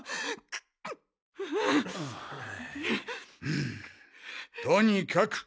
うんとにかく。